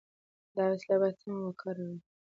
دا وسیله باید سمه وکاروو.